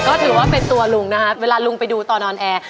ก็ถือว่าเป็นตัวลุงนะคะเวลาลุงไปดูตอนนอนแอร์